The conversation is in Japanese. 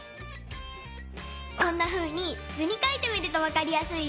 こんなふうにずにかいてみるとわかりやすいよ。